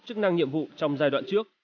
chức năng nhiệm vụ trong giai đoạn trước